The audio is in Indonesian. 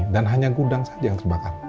dan hanya gudang saja yang terbakar